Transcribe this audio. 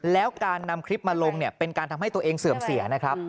แล้วการนำคลิปมาลงเนี่ยเป็นการทำให้ตัวเองเสื่อมเสียนะครับ